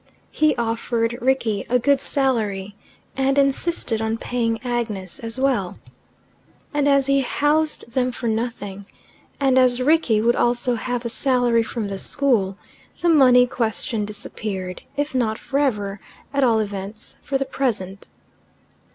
He offered Rickie a good salary, and insisted on paying Agnes as well. And as he housed them for nothing, and as Rickie would also have a salary from the school, the money question disappeared if not forever, at all events for the present.